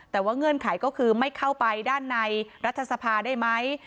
แต่ว่าเงื่อนไขก็คือไม่เข้าไปด้านในรัฐสภาได้ไหม